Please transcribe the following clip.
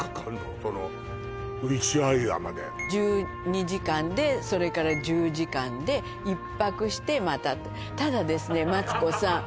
そのウシュアイアまで１２時間でそれから１０時間で１泊してまたただですねマツコさん